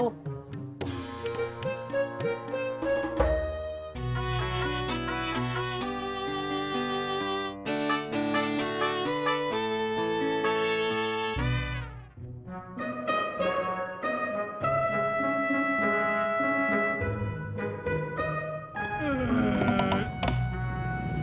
udah tersesat aja